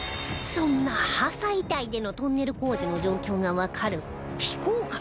そんな破砕帯でのトンネル工事の状況がわかる非公開